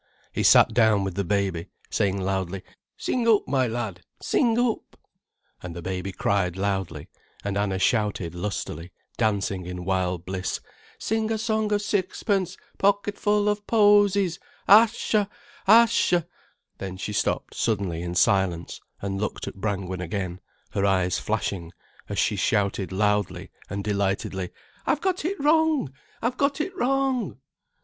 He sat down with the baby, saying loudly: "Sing up, my lad, sing up." And the baby cried loudly, and Anna shouted lustily, dancing in wild bliss: "Sing a song of sixpence Pocketful of posies, Ascha! Ascha!——" Then she stopped suddenly in silence and looked at Brangwen again, her eyes flashing, as she shouted loudly and delightedly: "I've got it wrong, I've got it wrong."